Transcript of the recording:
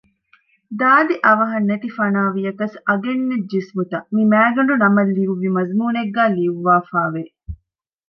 ދާދި އަވަހަށް ނެތިފަނާވިޔަކަސް އަގެއްނެތް ޖިސްމުތައް މި މައިގަނޑުނަމަށް ލިޔުއްވި މަޒުމޫނެއްގައި ލިޔުއްވާފައިވެ